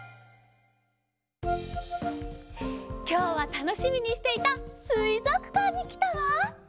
きょうはたのしみにしていたすいぞくかんにきたわ！